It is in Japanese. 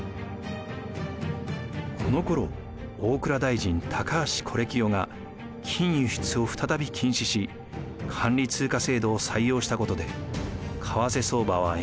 このころ大蔵大臣高橋是清が金輸出を再び禁止し管理通貨制度を採用したことで為替相場は円安状態でした。